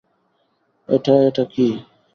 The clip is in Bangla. এটা এটা কি?